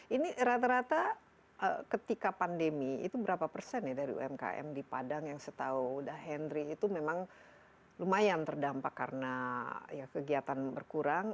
ini rata rata ketika pandemi itu berapa persen ya dari umkm di padang yang setau dah hendry itu memang lumayan terdampak karena kegiatan berkurang